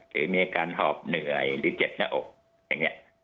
หรือมีอาการหอบเหนื่อยหรือเจ็บหน้าอกอย่างนี้